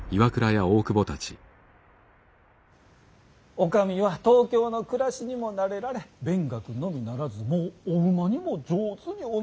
お上は東京の暮らしにも慣れられ勉学のみならずもうお馬にも上手にお乗りになられる。